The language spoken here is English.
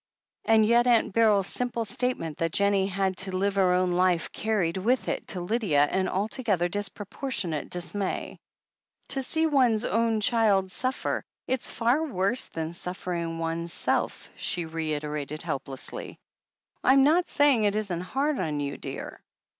And yet Aunt Beryl's simple statement that Jennie had to live her own life carried with it to Lydia an altogether disproportionate dismay. "To see one's own child suffer — it's far worse than suffering oneself," she reiterated helplessly. "I'm not saying it isn't hard on you, dear."